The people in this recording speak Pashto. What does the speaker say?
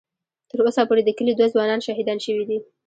ـ تر اوسه پورې د کلي دوه ځوانان شهیدان شوي دي.